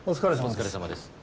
お疲れさまです。